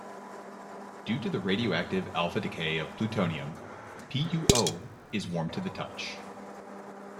Due to the radioactive alpha decay of plutonium, PuO is warm to the touch.